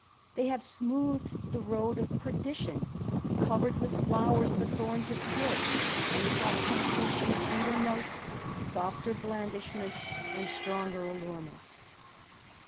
They have smoothed the road of J perdition, covered with flowers the thorns of guilt, and I tsught temptation sweeter notes, softer blandishments, and I stronger allurements.